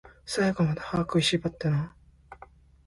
最後まで、歯食いしばってなー